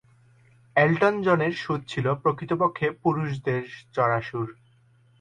Elton জনের সুর ছিল প্রকৃতপক্ষে পুরুষদের চড়া সুর।